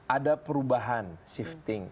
ada perubahan shifting